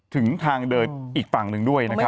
ถึงทางเดินอีกฝั่งหนึ่งด้วยนะครับ